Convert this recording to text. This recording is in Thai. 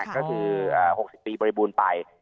ก็คือ๖๐ปีบริบูรณ์ไป